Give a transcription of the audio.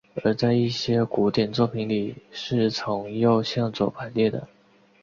而在一些古典作品里是从右向左排列的。